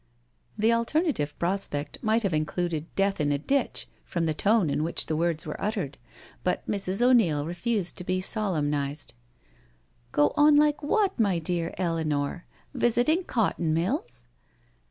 The alternative prospect might have included death in a ditch, from the tone in which the words were uttered. But Mrs. O'Neil refused to be solemnised. " Go on like what, kny dear Eleanor? Visiting cotton mills?"